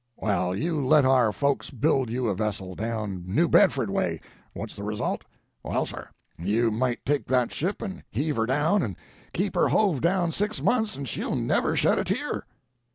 Well, you let our folks build you a vessel down New Bedford way. What's the result? Well, sir, you might take that ship and heave her down, and keep her hove down six months, and she'll never shed a tear!"